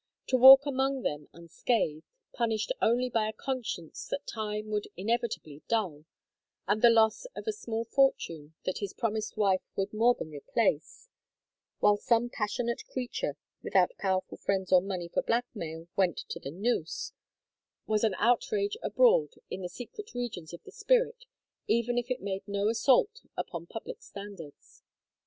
To walk among them unscathed, punished only by a conscience that time would inevitably dull, and the loss of a small fortune that his promised wife would more than replace, while some passionate creature without powerful friends or money for blackmail went to the noose, was an outrage abroad in the secret regions of the spirit even if it made no assault upon public standards.